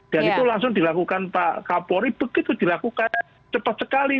dan itu langsung dilakukan pak kapolri begitu dilakukan cepat sekali